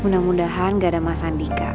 yaudah tarik man